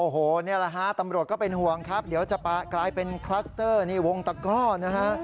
โอ้โหนี่แหละฮะตำรวจก็เป็นห่วงครับเดี๋ยวจะกลายเป็นคลัสเตอร์นี่วงตะก้อนะฮะ